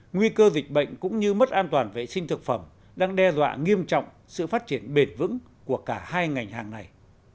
nguy cơ dịch bệnh cũng như mất an toàn vệ sinh thực phẩm đang đe dọa nghiêm trọng sự phát triển bền vững của cả hai ngành hàng này